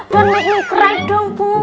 kering dong puk